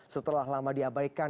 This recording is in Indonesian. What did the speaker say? setelah lama diabaikan